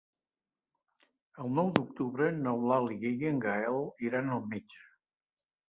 El nou d'octubre n'Eulàlia i en Gaël iran al metge.